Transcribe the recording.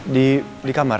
di di kamar